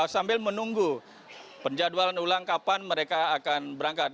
sambil menunggu penjadwalan ulang kapan mereka akan berangkat